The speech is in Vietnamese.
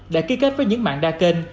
đã ký kết với những mạng đa kênh